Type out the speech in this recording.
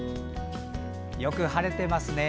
よく晴れてますね。